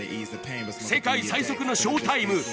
世界最速のショータイム